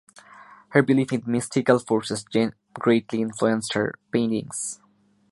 Her belief in mystical forces greatly influenced her paintings.